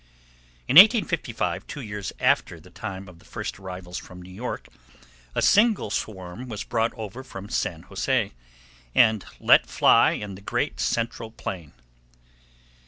In 1855, two years after the time of the first arrivals from New York, a single swarm was brought over from San José, and let fly in the Great Central Plain.